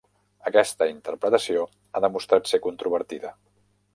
Aquesta interpretació ha demostrat ser controvertida.